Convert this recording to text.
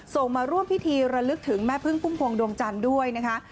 มาร่วมพิธีระลึกถึงแม่พึ่งพุ่มพวงดวงจันทร์ด้วยนะคะ